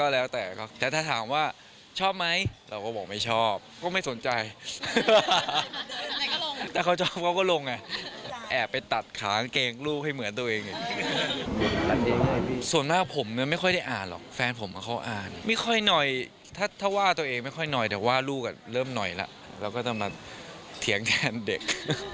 แล้วก็ต้องมาเถียงแทนเด็ก